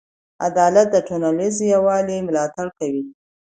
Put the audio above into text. عدالت د ټولنیز یووالي ملاتړ کوي.